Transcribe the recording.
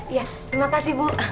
iya terima kasih bu